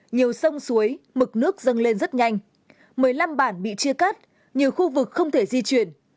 nhiều sông suối mực nước dâng lên rất nhanh một mươi năm bản bị chia cắt nhiều khu vực không thể di chuyển